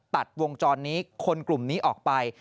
ตัดวงจรนี้คนกลุ่มนี้ออกไป